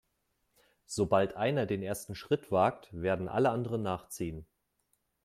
Sobald einer den ersten Schritt wagt, werden alle anderen nachziehen.